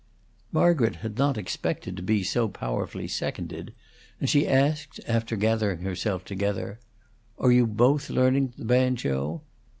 Margaret had not expected to be so powerfully seconded, and she asked, after gathering herself together, "And you are both learning the banjo?"